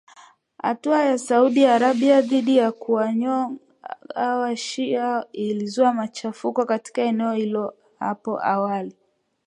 Hatua ya Saudi Arabia dhidi ya kuwanyonga washia ilizua machafuko katika eneo hilo hapo awali